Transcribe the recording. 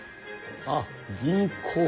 ああ銀行。